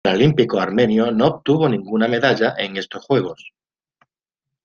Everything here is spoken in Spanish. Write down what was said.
El equipo paralímpico armenio no obtuvo ninguna medalla en estos Juegos.